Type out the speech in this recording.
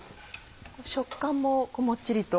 食感ももっちりと。